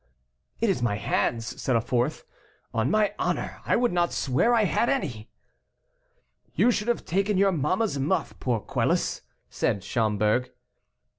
"It is my hands," said a fourth; "on my honor, I would not swear I had any." "You should have taken your mamma's muff, poor Quelus," said Schomberg.